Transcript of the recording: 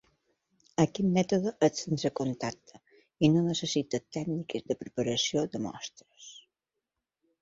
Aquest mètode és sense contacte i no necessita tècniques de preparació de mostres.